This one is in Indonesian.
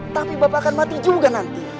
tapi bapak akan mati juga nanti